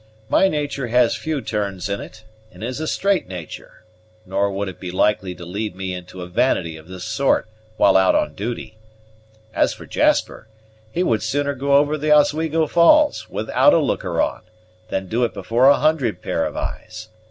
My natur' has few turns in it, and is a straight natur'; nor would it be likely to lead me into a vanity of this sort while out on duty. As for Jasper, he would sooner go over the Oswego Falls, without a looker on, than do it before a hundred pair of eyes.